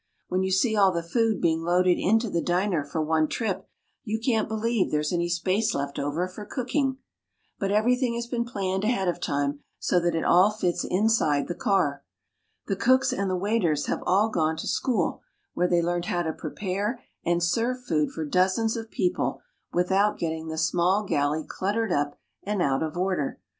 When you see all the food being loaded into the diner for one trip, you can't believe there's any space left over for cooking. But everything has been planned ahead of time so that it all fits inside the car. The cooks and the waiters have all gone to school where they learned how to prepare and serve food for dozens of people without getting the small galley cluttered up and out of order.